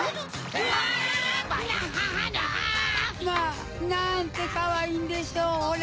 まぁ！なんてかわいいんでしょうホラ！